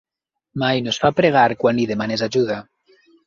Mai no es fa pregar quan li demanes ajuda.